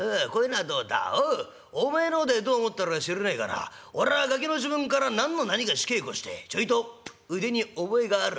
『おうっおめえの方でどう思ってるか知らねえがな俺はガキの時分から何のなにがし稽古してちょいと腕に覚えがある。